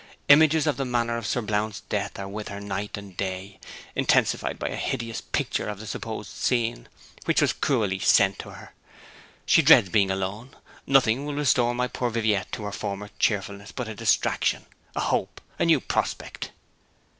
Images of the manner of Sir Blount's death are with her night and day, intensified by a hideous picture of the supposed scene, which was cruelly sent her. She dreads being alone. Nothing will restore my poor Viviette to her former cheerfulness but a distraction a hope a new prospect.'